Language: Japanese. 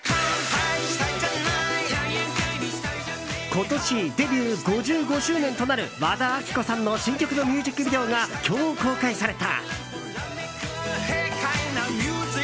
今年、デビュー５５周年となる和田アキ子さんの新曲のミュージックビデオが今日、公開された。